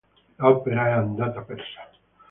L'opera è andata persa.